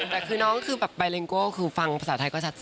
แต่คือน้องปาริงโก้คือฟังภาษาไทยก็ชัดเสร็จ